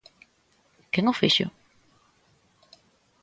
¿Quen o fixo?